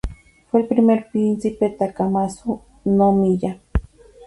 Fue el primer Príncipe Takamatsu-no-miya.